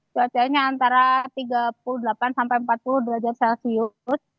cuacanya antara tiga puluh delapan sampai empat puluh derajat celcius